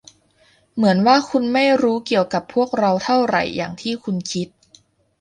เหมือนว่าคุณไม่รู้เกี่ยวกับพวกเราเท่าไหร่อย่างที่คุณคิด